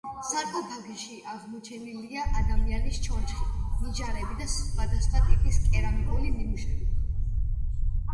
სარკოფაგში აღმოჩენილია ადამიანის ჩონჩხი, ნიჟარები და სხვადასხვა ტიპის კერამიკული ნიმუშები.